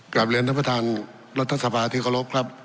กราบเรียนทางประทาน๒สมศาษาพาธิกรกครับ